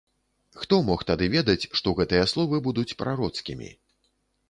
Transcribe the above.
Хто мог тады ведаць, што гэтыя словы будуць прароцкімі.